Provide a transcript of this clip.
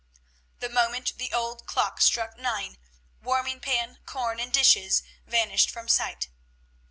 The moment the old clock struck nine, warming pan, corn, and dishes vanished from sight.